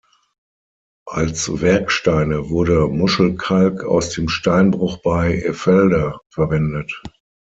Als Werksteine wurde Muschelkalk aus dem Steinbruch bei Effelder verwendet.